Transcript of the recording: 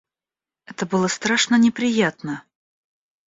Это было страшно неприятно.